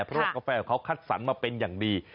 เพราะว่ากาแฟของเขาคัดสรรมาเป็นอย่างดี